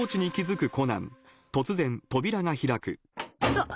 あっ！